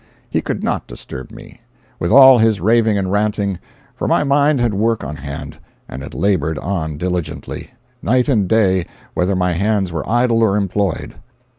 He could not disturb me, with all his raving and ranting, for my mind had work on hand, and it labored on diligently, night and day, whether my hands were idle or employed.